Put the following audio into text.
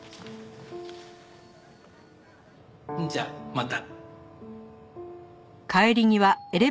じゃあまた。